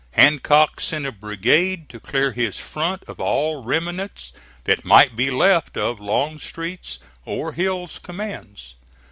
Hancock sent a brigade to clear his front of all remnants that might be left of Longstreet's or Hill's commands.